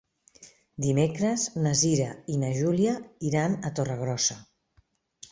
Dimecres na Cira i na Júlia iran a Torregrossa.